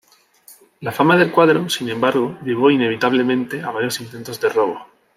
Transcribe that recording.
La fama del cuadro, sin embargo, llevó inevitablemente a varios intentos de robo.